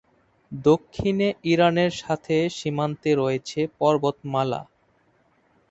দক্ষিণে ইরানের সাথে সীমান্তে রয়েছে পর্বতমালা।